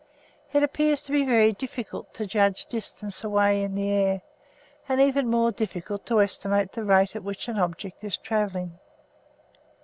It appears to be very difficult to judge distance away in the air, and even more difficult to estimate the rate at which the object is travelling.